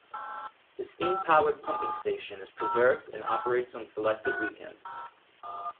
The steam-powered pumping station is preserved and operates on selected weekends.